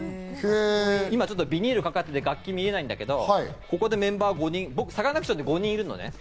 今ビニールがかかって、楽器が見えないんだけど、ここでメンバー５人、サカナクションって５人いるのね。